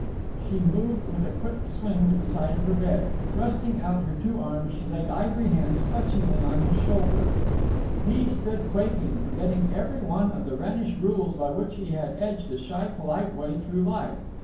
She moved with a quick swing to the side of her bed. Thrusting out her two arms, she laid ivory hands clutchingly on his shoulder. He stood quaking, forgetting every one of the Wrennish rules by which he had edged a shy polite way through life.